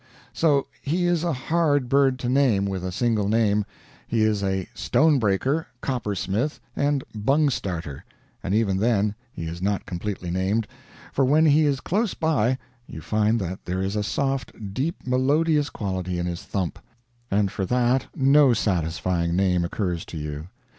So he is a hard bird to name with a single name; he is a stone breaker, coppersmith, and bung starter, and even then he is not completely named, for when he is close by you find that there is a soft, deep, melodious quality in his thump, and for that no satisfying name occurs to you.